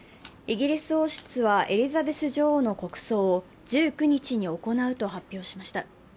イギリス王室はエリザベス女王の国葬を１９日に行うと発表しました。